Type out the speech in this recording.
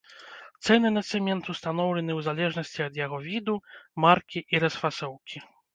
Цэны на цэмент устаноўлены ў залежнасці ад яго віду, маркі і расфасоўкі.